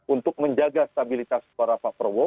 untuk menjaga stabilitas para pak probo